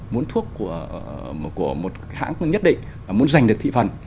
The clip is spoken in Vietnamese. muốn thuốc của một hãng nhất định muốn giành được thị phần